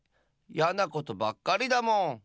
やなことばっかりだもん。